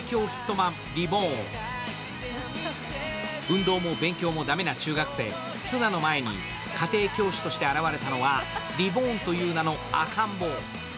運動も勉強もダメな中学生、ツナの前に家庭教師として現れたのはリボーンという名の赤ん坊。